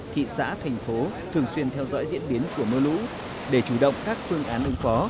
thị xã thành phố thường xuyên theo dõi diễn biến của mưa lũ để chủ động các phương án ứng phó